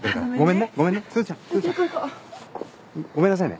ごめんなさいね。